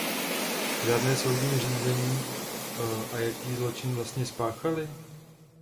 Žádné soudní řízení, a jaký zločin vlastně spáchali?